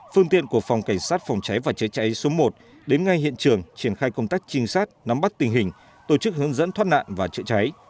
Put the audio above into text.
phương tiện của phòng cảnh sát phòng cháy và chế cháy số một đến ngay hiện trường triển khai công tác trinh sát nắm bắt tình hình tổ chức hướng dẫn thoát nạn và chữa cháy